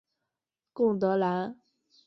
贡德兰。